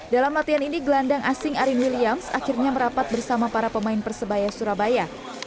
dalam latihan ini gelandang asing arin williams akhirnya merapat bersama para pemain persebaya surabaya